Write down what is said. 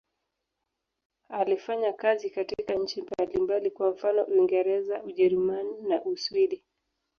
Alifanya kazi katika nchi mbalimbali, kwa mfano Uingereza, Ujerumani na Uswidi.